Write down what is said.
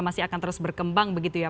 masih akan terus berkembang begitu ya